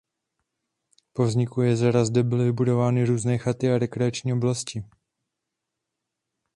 Po vzniku jezera zde byly vybudovány různé chaty a rekreační oblasti.